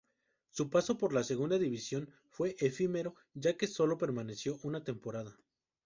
Su paso por la Segunda División fue efímero, ya que sólo permaneció una temporada.